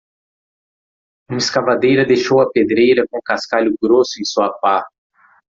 Uma escavadeira deixou a pedreira com cascalho grosso em sua pá.